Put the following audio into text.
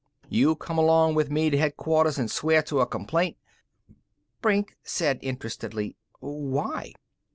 You come along with me to Headquarters an' swear to a complaint " Brink said interestedly: "Why?"